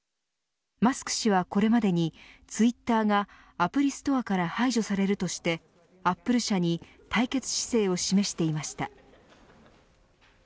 マスク氏は、これまでにツイッターがアプリストアから排除されるとしてアップル社に対決姿勢を示していました。